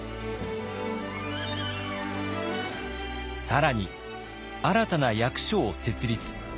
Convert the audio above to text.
更に新たな役所を設立。